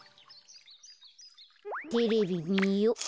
テレビみよ。